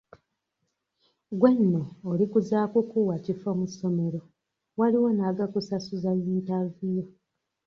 Gwe nno oli ku za kukuwa kifo mu ssomero, waliwo n'agakusasuza yintaviyu.